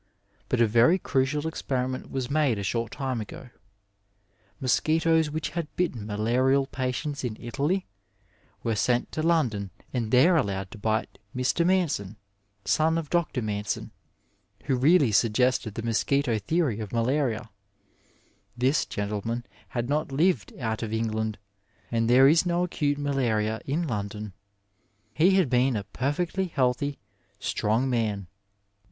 But a very crucial experiment was made a short time ago. Mosquitoes which had bitten malarial patients in Italy were sent to London and there allowed Digitized by Google MEDICINE IN THE NINETEENTH OENTDKT to bite Mr. Manson» son of Dr. Manflon, wbo leallj sog gested the mosquito theory of maUria. This gentle man had not lived out of England, and there is no acate malaria in London. He had been a perfectly healthy^ strong man.